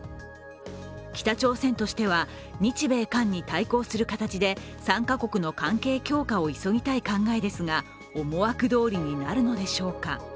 北朝鮮としては、日米韓に対抗する形で３か国の関係強化を急ぎたい考えですが、思惑どおりになるのでしょうか。